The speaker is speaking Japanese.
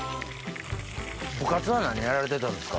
部活は何やられてたんですか？